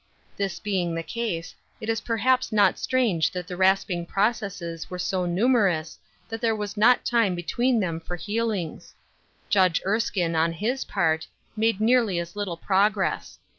This being the case, it is perhaps not strange that the rasping processes were so numerous that there was not time between them for healings. Judge Ers kine, on his part, made nearly as little progress.